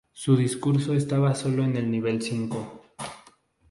Su discurso estaba solo en el nivel cinco.